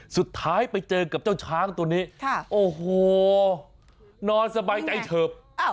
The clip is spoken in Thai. สุดท้ายไปเจอกับเจ้าช้างตัวนี้